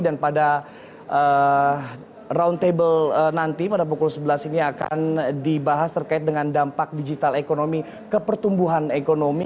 dan pada roundtable nanti pada pukul sebelas ini akan dibahas terkait dengan dampak digital ekonomi kepertumbuhan ekonomi